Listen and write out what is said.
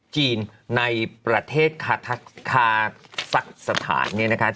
จีนในประเทศคาสักสถานเนี่ยนะคะ